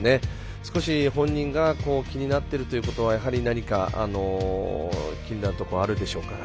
少し本人が気になっているということはやはり何か気になるところはあるでしょうから。